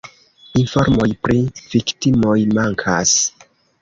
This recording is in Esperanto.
Informoj pri viktimoj mankas.